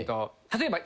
例えば。